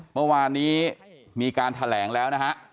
เมื่อวานนี้มีการแถลงแล้วนะฮะ